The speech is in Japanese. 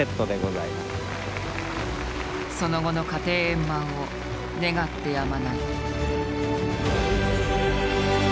その後の家庭円満を願ってやまない。